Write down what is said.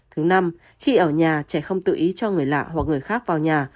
thứ năm khi ở nhà trẻ không tự ý cho người lạ hoặc người khác vào nhà